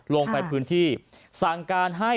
ลงไปพื้นที่สั่งการให้